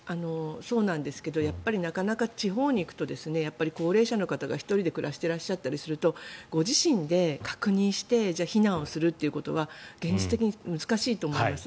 そうなんですけどやっぱり、なかなか地方に行くと高齢者の方が１人で暮らしていらっしゃったりするとご自身で確認して避難をするということは現実的に難しいと思います。